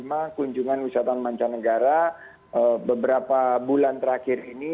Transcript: dan mereka juga menerima kunjungan wisata mancanegara beberapa bulan terakhir ini